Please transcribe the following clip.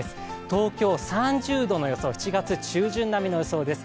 東京、３０度の予想、７月中旬並みの予想です。